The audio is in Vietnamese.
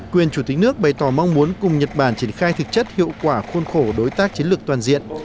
quyền chủ tịch nước bày tỏ mong muốn cùng nhật bản triển khai thực chất hiệu quả khôn khổ đối tác chiến lược toàn diện